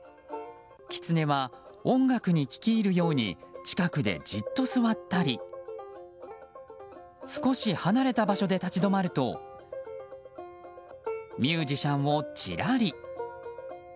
キツネは音楽に聴き入るように近くでじっと座ったり少し離れた場所で立ち止まるとミュージシャンをちらり。